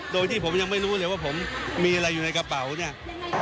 โดยที่ผมยังไม่รู้เลยว่าผมมีอะไรอยู่ในกระเป๋าเนี่ย